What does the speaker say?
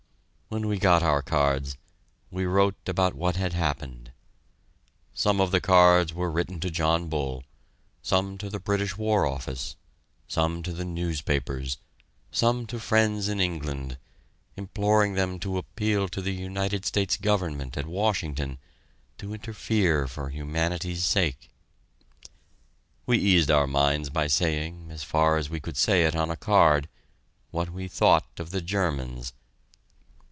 When we got our cards, we wrote about what had happened. Some of the cards were written to John Bull; some to the British War Office; some to the newspapers; some to friends in England, imploring them to appeal to the United States Government at Washington, to interfere for humanity's sake. We eased our minds by saying, as far as we could say it on a card, what we thought of the Germans.